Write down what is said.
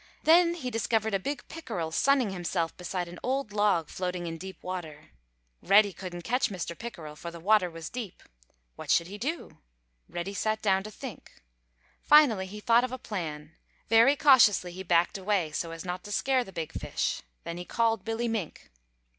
Then he discovered a big pickerel sunning himself beside an old log floating in deep water. Reddy couldn't catch Mr. Pickerel, for the water was deep. What should he do? Reddy sat down to think. Finally he thought of a plan. Very cautiously he backed away so as not to scare the big fish. Then he called Billy Mink.